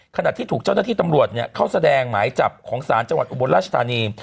ขณะที่ถูกเจ้าหน้าที่ตำรวจเข้าแสดงหมายจับของศาลจังหวัดอุบลราชธานี